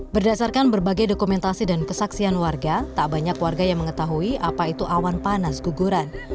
berdasarkan berbagai dokumentasi dan kesaksian warga tak banyak warga yang mengetahui apa itu awan panas guguran